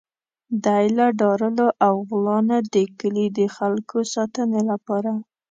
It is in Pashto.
دی له داړلو او غلا نه د کلي د خلکو ساتنې لپاره.